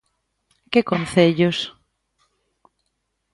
Que concellos?